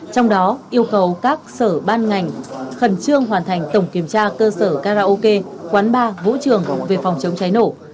trong đó yêu cầu các sở ban ngành khẩn trương hoàn thành tổng kiểm tra cơ sở karaoke quán bar vũ trường về phòng chống cháy nổ